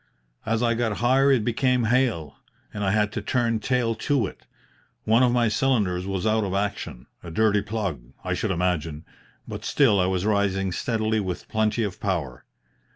As I got higher it became hail, and I had to turn tail to it. One of my cylinders was out of action a dirty plug, I should imagine, but still I was rising steadily with plenty of power.